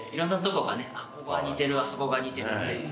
ここが似てるあそこが似てるっていう。